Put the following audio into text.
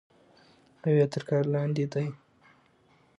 او يا تر كار لاندې دی